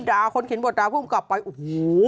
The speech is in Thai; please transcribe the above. ด่าคนเขียนบทดาวน์พวกมันกลับไปโอ้โห